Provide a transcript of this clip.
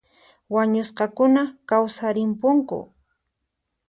Wañusqakuna kawsarimpunku